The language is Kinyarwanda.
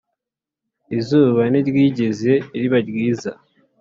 izuba ntiryigeze riba ryiza,